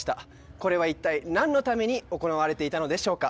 これは一体何のために行われていたのでしょうか？